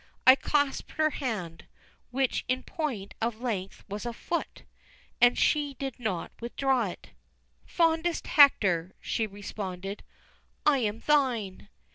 I clasped her hand which in point of length was a foot and she did not withdraw it. "Fondest Hector," she responded, "I am thine!"